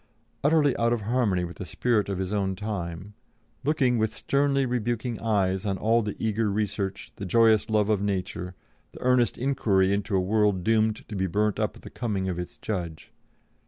Utterly out of harmony with the spirit of his own time, looking with sternly rebuking eyes on all the eager research, the joyous love of nature, the earnest inquiry into a world doomed to be burnt up at the coming of its Judge.